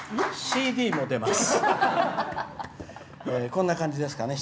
こんな感じですかね。